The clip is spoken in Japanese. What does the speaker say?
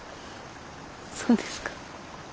そうですか。